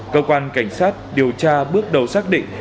cơ quan cảnh sát điều tra bước đầu xác định